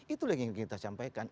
itulah yang ingin kita sampaikan